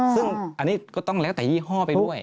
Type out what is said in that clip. ซึ่งอันนี้ก็ต้องแล้วแต่ยี่ห้อไปด้วย